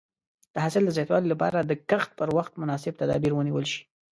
د حاصل د زیاتوالي لپاره د کښت پر وخت مناسب تدابیر ونیول شي.